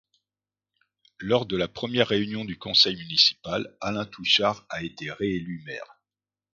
Lors de la première réunion du conseil municipal, Alain Touchard a été réélu maire.